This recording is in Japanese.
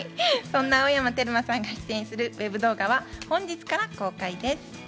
そんな青山テルマさんが出演するＷＥＢ動画は本日から公開です。